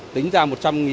tính ra một trăm linh đồng